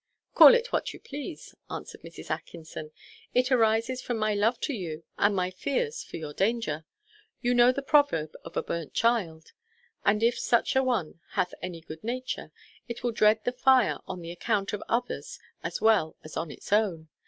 "Call it what you please," answered Mrs. Atkinson; "it arises from my love to you and my fears for your danger. You know the proverb of a burnt child; and, if such a one hath any good nature, it will dread the fire on the account of others as well as on its own.